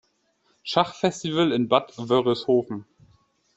Schachfestival" in Bad Wörishofen.